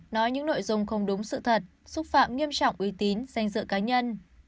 nói những nội dung không đúng sự thật xúc phạm nghiêm trọng uy tín danh dự cá nhân